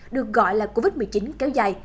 được gọi là covid một mươi chín kéo dài